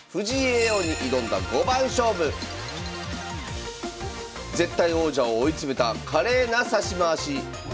王に挑んだ五番勝負絶対王者を追い詰めた華麗な指し回し。